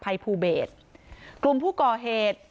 ภัยภูเบศกลุ่มผู้ก่อเหตุ